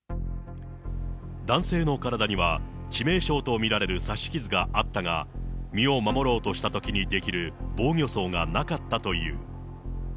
男性の体には、致命傷と見られる刺し傷があったが、身を守ろうとしたときに出来る防御創がなかったという。